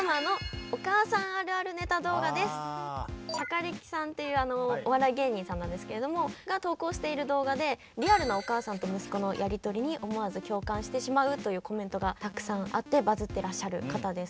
しゃかりきさんっていうお笑い芸人さんなんですけれどもが投稿している動画でリアルなお母さんと息子のやりとりに思わず共感してしまうというコメントがたくさんあってバズってらっしゃる方です。